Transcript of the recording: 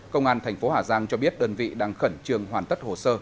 công an thành phố hà giang cho biết đơn vị đang khẩn trương hoàn tất hồ sơ